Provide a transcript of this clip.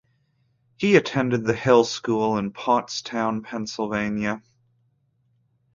He attended The Hill School in Pottstown, Pennsylvania.